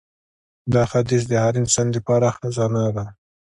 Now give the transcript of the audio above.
دا حدیث د هر انسان لپاره خزانه ده.